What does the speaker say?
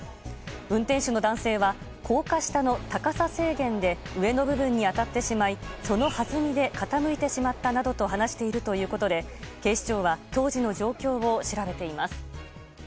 運転手の男性は高架下の高さ制限で上の部分に当たってしまいそのはずみで傾いてしまったなどと話しているということで警視庁は当時の状況を調べています。